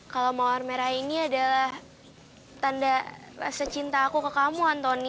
kalau mawar merah ini adalah tanda rasa cinta aku ke kamu antoni